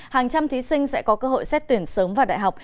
hàng trăm thí sinh sẽ có cơ hội xét tuyển sớm vào đại học